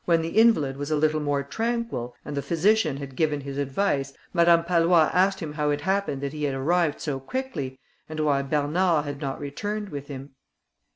When the invalid was a little more tranquil, and the physician had given his advice, Madame Pallois asked him how it happened that he had arrived so quickly, and why Bernard had not returned with him.